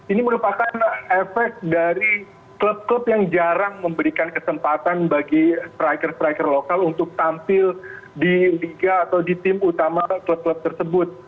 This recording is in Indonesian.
ini merupakan efek dari klub klub yang jarang memberikan kesempatan bagi striker striker lokal untuk tampil di liga atau di tim utama klub klub tersebut